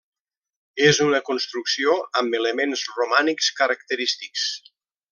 És una construcció amb elements romànics característics.